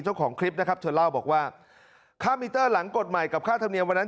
เจ้าของคลิปนะครับเธอเล่าบอกว่าค่ามิเตอร์หลังกฎใหม่กับค่าธรรมเนียมวันนั้น